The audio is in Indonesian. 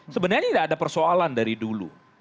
sebenarnya tidak ada persoalan dari dulu